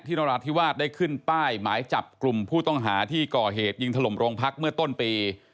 นราธิวาสได้ขึ้นป้ายหมายจับกลุ่มผู้ต้องหาที่ก่อเหตุยิงถล่มโรงพักเมื่อต้นปี